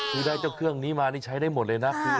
คือได้เจ้าเครื่องนี้มานี่ใช้ได้หมดเลยนะ